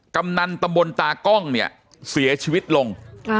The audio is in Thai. กำนันตำบลตากล้องเนี่ยเสียชีวิตลง